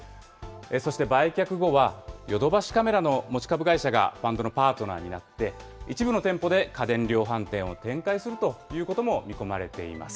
そして売却後は、ヨドバシカメラの持ち株会社がファンドのパートナーになって、一部の店舗で家電量販店を展開するということも見込まれています。